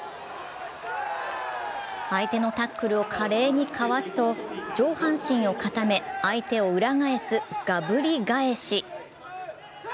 相手のタックルを華麗にかわすと、上半身を固め、相手を裏返すがぶり返し。